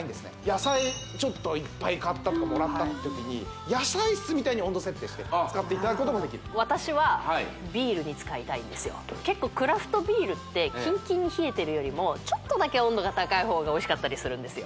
野菜ちょっといっぱい買ったとかもらったって時に野菜室みたいに温度設定して使っていただくこともできる私は結構クラフトビールってキンキンに冷えてるよりもちょっとだけ温度が高い方がおいしかったりするんですよ